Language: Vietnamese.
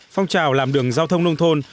phong trào làm đường giao thông nông thôn